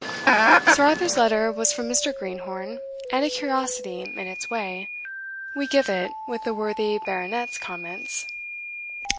Sir Arthur's letter was from Mr. Greenhorn, and a curiosity in its way. We give it, with the worthy Baronet's comments.